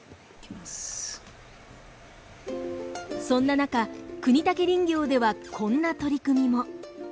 そんななか國武林業ではこんな取り組みも。